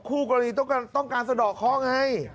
คู่กรณีต้องการสะดอกเคาะไง